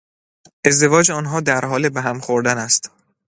ازدواج آنها در حال به هم خوردن است.